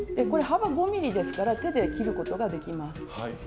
これ幅５ｍｍですから手で切ることができます。